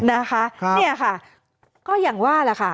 นะคะเนี่ยค่ะก็อย่างว่าแหละค่ะ